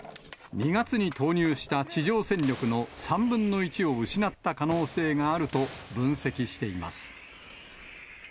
２月に投入した地上戦力の３分の１を失った可能性があると分析しています。